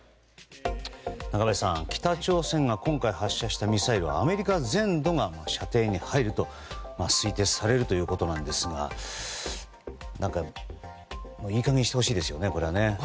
中林さん、北朝鮮が今回発射したミサイルはアメリカ全土が射程に入ると推定されるということなんですがいい加減にしてほしいですねこれは。